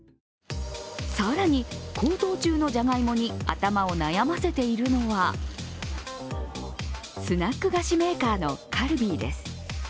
更に、高騰中のじゃがいもに頭を悩ませているのはスナック菓子メーカーのカルビーです。